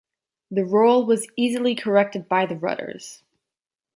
The roll was easily corrected by the rudders.